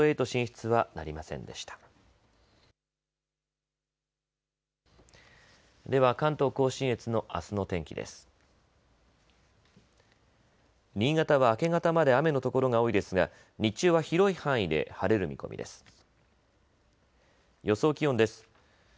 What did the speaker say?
新潟は明け方まで雨の所が多いですが日中は広い範囲で晴れる見込みです。